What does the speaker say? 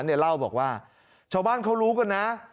เล่าบอกว่าชาวบ้านเขารู้กันนะ